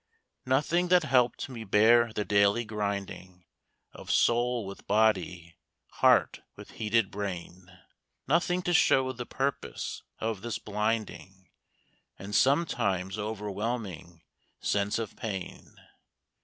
Nothing that helped me bear the daily grinding Of soul with body, heart with heated brain. Nothing to show the purpose of this blinding And sometimes overwhelming sense of pain.